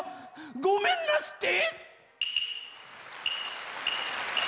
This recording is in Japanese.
ごめんなすって！